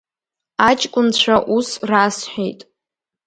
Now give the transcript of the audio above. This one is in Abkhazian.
Аҷкәынцәа ус расҳәеит…